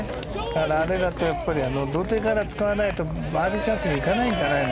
あれだと土手から使わないとバーディーチャンスにいかないんじゃないの？